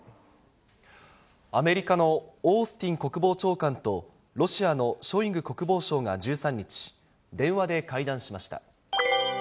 アメリカのオースティン国防長官と、ロシアのショイグ国防相が１３日、電話で会談しました。